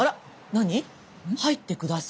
何？